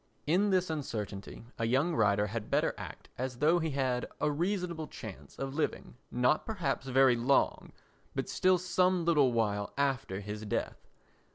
In this uncertainty a young writer had better act as though he had a reasonable chance of living, not perhaps very long, but still some little while after his death.